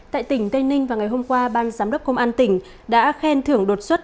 tại tỉnh tây ninh vào ngày hôm qua ban giám đốc công an tỉnh đã khen thưởng đột xuất